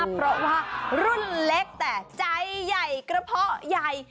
เพราะว่ารุ่นเล็กแต่ใจใหญ่กระเพาะใหญ่